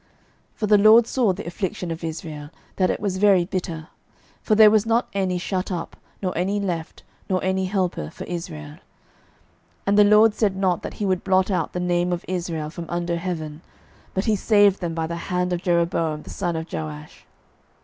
12:014:026 For the LORD saw the affliction of Israel, that it was very bitter: for there was not any shut up, nor any left, nor any helper for Israel. 12:014:027 And the LORD said not that he would blot out the name of Israel from under heaven: but he saved them by the hand of Jeroboam the son of Joash.